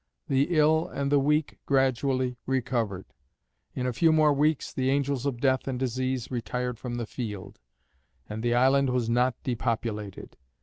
The ill and the weak gradually recovered. In a few more weeks the Angels of Death and Disease retired from the field, and the island was not depopulated.